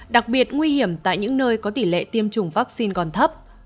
đặc biệt nguy hiểm tại những nơi có tỷ lệ tiêm chủng vaccine còn thấp